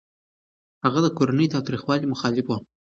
هغه د کورني تاوتريخوالي مخالف و.